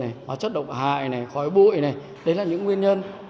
hóa chất động hại khói bụi đấy là những nguyên nhân